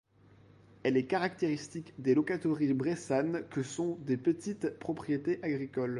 Elle est caractéristique des locateries bressanes que sont des petites propriétés agricoles.